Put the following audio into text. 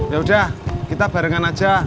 yaudah kita barengan aja